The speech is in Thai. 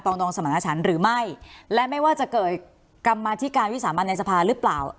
งดองสมรรถฉันหรือไม่และไม่ว่าจะเกิดกรรมาธิการวิสามันในสภาหรือเปล่า